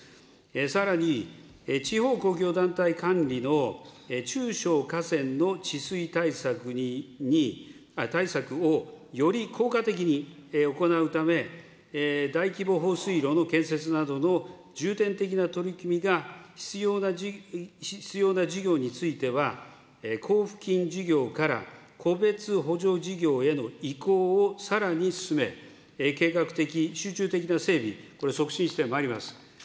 さらに地方公共団体管理の中小河川の治水対策をより効果的に行うため、大規模放水路の建設などの重点的な取り組みが必要な事業については、交付金事業から個別補助事業への移行をさらに進め、計画的、集中的な整備、これ、促進してまいります。